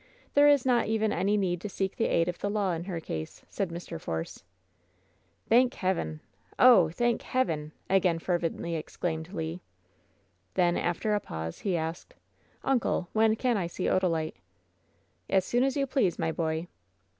There is not even any need to seek the aid of the law in her case," said Mr. Force. "Thank Heaven 1 Oh! thank Heaven!'' again fer vently exclaimed Le. Then, after a pause, he asked: "Uncle, when can I see Odalite?" "As soon as you please, my boy!"